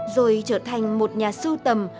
rồi trở thành một nhà sưu tầm